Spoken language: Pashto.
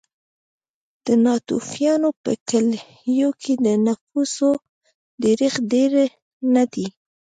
د ناتوفیانو په کلیو کې د نفوسو ډېرښت ډېر نه دی.